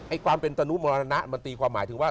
ความเป็นตนุมรณะมันตีความหมายถึงว่า